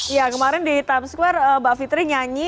ya kemarin di times square mbak fitri nyanyi